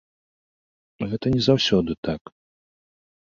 Гэта не заўсёды так.